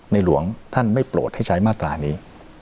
หลวงท่านไม่โปรดให้ใช้มาตรานี้